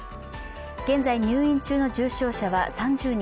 現在、入院中の重症者は３０人。